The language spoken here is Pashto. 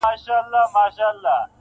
پاچهي لکه حباب نه وېشل کیږي-